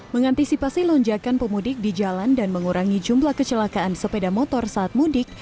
mengantisipasi lonjakan pemudik di jalan dan mengurangi jumlah kecelakaan sepeda motor saat mudik